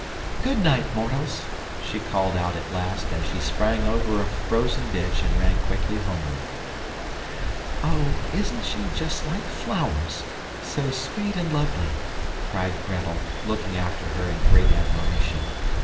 "Good night, mortals!" she called out at last as she sprang over a frozen ditch and ran quickly homeward. "Oh, isn't she just like flowers so sweet and lovely!" cried Gretel, looking after her in great admiration.